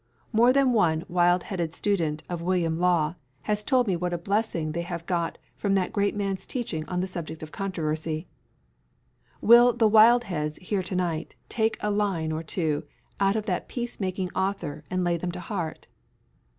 More than one wild headed student of William Law has told me what a blessing they have got from that great man's teaching on the subject of controversy. Will the Wildheads here to night take a line or two out of that peace making author and lay them to heart?